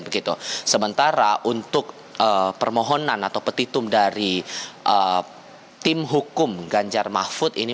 begitu sementara untuk permohonan atau petitum dari tim hukum ganjar mahfud ini